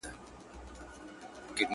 دا ځل به مخه زه د هیڅ یو توپان و نه نیسم,